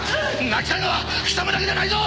泣きたいのは貴様だけじゃないぞ！